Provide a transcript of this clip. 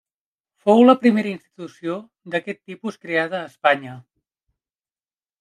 Fou la primera institució d'aquest tipus creada a Espanya.